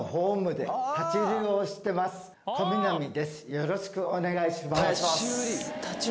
よろしくお願いします